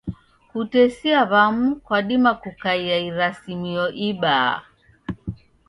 Kutesia w'amu kwadima kukaia irasimio ibaa.